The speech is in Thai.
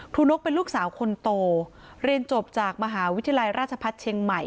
นกเป็นลูกสาวคนโตเรียนจบจากมหาวิทยาลัยราชพัฒน์เชียงใหม่